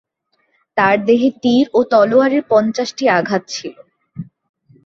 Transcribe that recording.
তার দেহে তীর ও তলোয়ারের পঞ্চাশটি আঘাত ছিলো।